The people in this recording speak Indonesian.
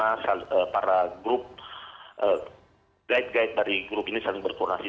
dari asosiasi para travel karena para grup guide guide dari grup ini saling berkoordinasi